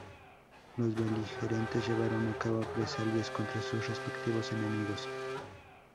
Los beligerantes llevaron a cabo represalias contra sus respectivos enemigos.